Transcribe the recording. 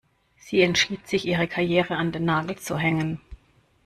Sie entschied sich, ihre Karriere an den Nagel zu hängen.